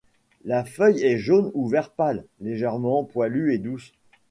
La feuille est jaune ou vert pâle, légèrement poilue et douce.